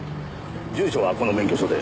住所はこの免許証で。